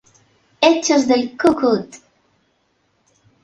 Hechos del ¡Cu-Cut!